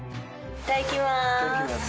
いただきます。